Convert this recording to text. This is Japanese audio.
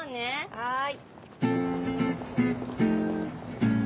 はい。